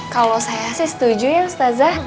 kalo saya sih setuju ya ustazah